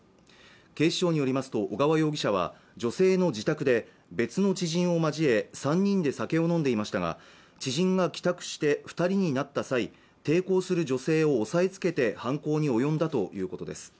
警視庁によりますと小川容疑者は女性の自宅で別の知人を交え３人で酒を飲んでいましたが知人が帰宅して二人になった際抵抗する女性を押さえつけて犯行に及んだということです